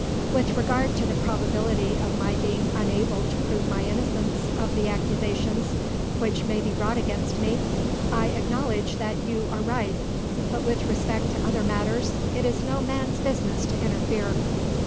"With regard to the probability of my being unable to prove my innocence of the accusations which may be brought against me, I acknowledge that you are right; but with respect to other matters, it is no man's business to interfere."